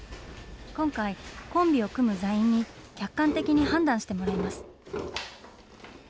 今回、コンビを組む座員に、客観的に判断してもらいます。